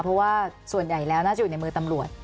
เพราะว่าส่วนใหญ่แล้วน่าจะอยู่ในมือตำรวจ